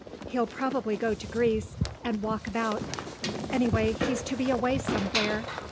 He'll probably go to Greece, and walk about.... Anyhow he's to be away somewhere....